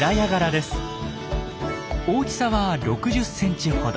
大きさは６０センチほど。